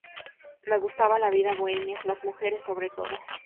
Me gustaba la vida bohemia; las mujeres, sobre todo.